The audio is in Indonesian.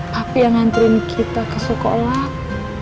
papi yang ngantriin kita ke sekolah